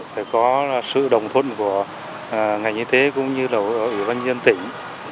phải có sự đồng thuận của ngành y tế cũng như ủy ban nhân tỉnh